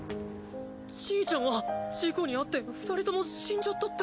じいちゃんは事故にあって２人とも死んじゃったって。